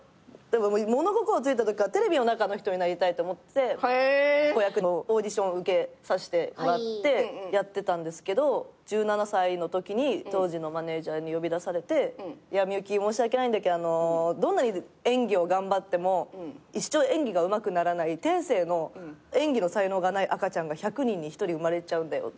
物心ついたときからテレビの中の人になりたいって思ってて子役のオーディション受けさせてもらってやってたんですけど１７歳のときに当時のマネジャーに呼び出されて「幸申し訳ないんだけどどんなに演技を頑張っても一生演技がうまくならない天性の演技の才能がない赤ちゃんが１００人に１人生まれちゃうんだよ」